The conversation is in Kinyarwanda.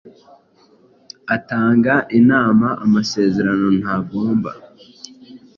atanga inama amasezerano ntagomba